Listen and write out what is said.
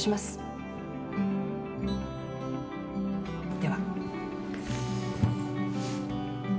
では。